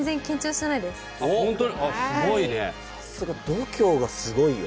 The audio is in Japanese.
さすが度胸がすごいよ。